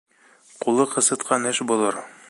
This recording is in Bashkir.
Ҡулы ҡысытҡан эш боҙор.